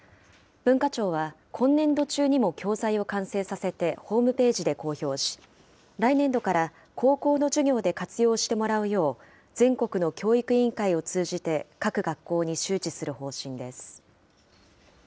文化庁は、今年度中にも教材を完成させて、ホームページで公表し、来年度から高校の授業で活用してもらうよう、全国の教育委員会を通じて、各学校に周知する方針です。